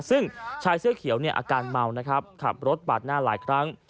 ซึ่งชายเสื้อเขียวเนี่ยอาการเมานะครับขับรถปาดหน้าหลายครั้ง